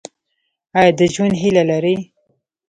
ایا د ژوند هیله لرئ؟